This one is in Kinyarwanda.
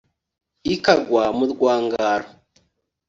ikagwa mu rwangaro.